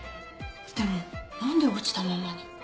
でも何で落ちたままに。